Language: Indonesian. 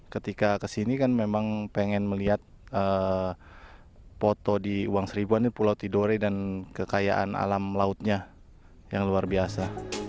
ketika kesini kan memang pengen melihat foto di uang seribuan ini pulau tidore dan kekayaan alam lautnya yang luar biasa